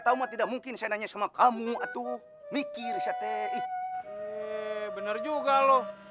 tahu tidak mungkin saya nanya sama kamu atau mikir seteh bener juga lo